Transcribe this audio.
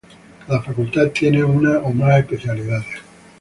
Cada facultad tiene una o más especialidades.